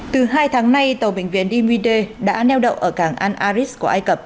từ hai tháng nay tàu bệnh viện imide đã neo đậu ở càng an aris của ai cập